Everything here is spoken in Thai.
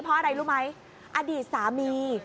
เพราะอะไรรู้ไหมอดีตสามี